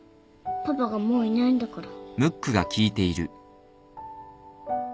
パパがもういないんだから。